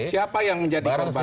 siapa yang menjadi korban